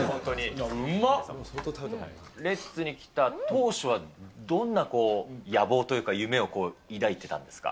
レッズに来た当初は、どんな野望というか、夢を抱いてたんですか。